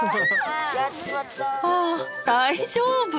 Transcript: ああ大丈夫？